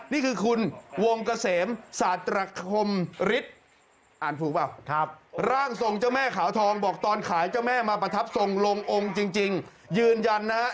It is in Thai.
นี่คือคุณวงเกษมศาสตรคมฤทธิ์อ่านถูกเปล่าร่างทรงเจ้าแม่ขาวทองบอกตอนขายเจ้าแม่มาประทับทรงลงองค์จริงยืนยันนะฮะ